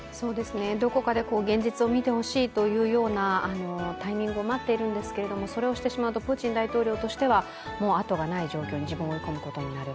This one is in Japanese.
どこかで現実を見てほしいというようなタイミングを待っているんですがそれをしてしまうとプーチン大統領としては後がない状況に自分を追い込むことになる。